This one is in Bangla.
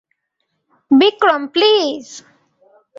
বিক্রম, প্লিজ!